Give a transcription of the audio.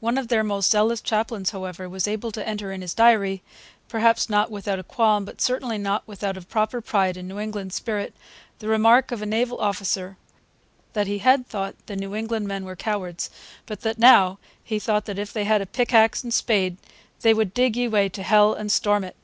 One of their most zealous chaplains, however, was able to enter in his diary, perhaps not without a qualm, but certainly not without a proper pride in New England spirit, the remark of a naval officer 'that he had thought the New England men were cowards But that Now he thought that if they had a Pick ax and Spade they would digg ye way to Hell and storm it.'